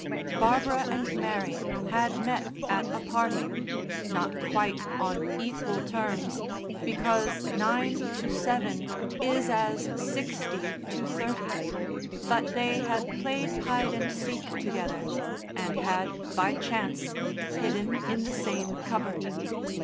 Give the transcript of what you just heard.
Barbara and Mary had met at a party not quite on equal terms, because nine to seven is as sixty to thirty but they had played hide and seek together, and had, by chance, hidden in the same cupboard.